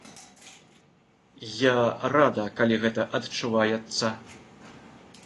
Я рада, калі гэта адчуваецца.